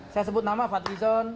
saya sebut nama fadlizon